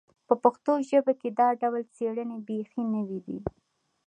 په پښتو ژبه کې دا ډول څېړنې بیخي نوې دي